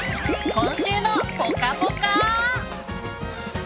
「今週のぽかぽか」。